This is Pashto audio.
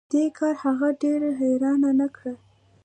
دې کار هغه ډیره حیرانه نه کړه